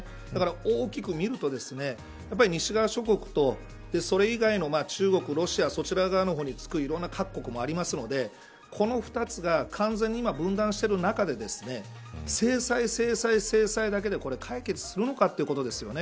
だから大きく見るとやはり西側諸国とそれ以外の中国、ロシアそちら側につくいろんな各国もあるのでこの２つが完全に今分断している中で制裁、制裁だけで解決するのかということです。